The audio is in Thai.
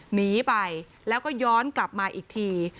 หนีไปแล้วก็ย้อนกลับมาอีกที